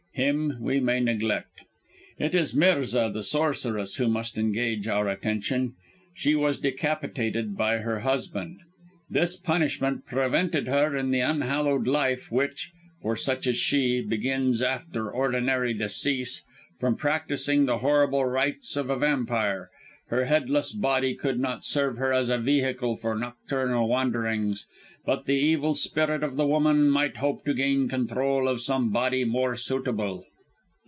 Him we may neglect. "It is Mirza, the sorceress, who must engage our attention. She was decapitated by her husband. This punishment prevented her, in the unhallowed life which, for such as she, begins after ordinary decease, from practising the horrible rites of a vampire. Her headless body could not serve her as a vehicle for nocturnal wanderings, but the evil spirit of the woman might hope to gain control of some body more suitable.